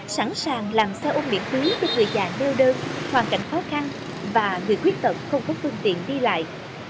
sẵn sàng làm xe ôm miễn phí cho người già đeo đơn hoàn cảnh khó khăn và người quyết tận không có phương tiện đi lại